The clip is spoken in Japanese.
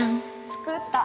作った。